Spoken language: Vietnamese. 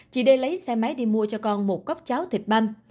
chị đê lấy xe máy đi mua cho con một cốc cháo thịt băm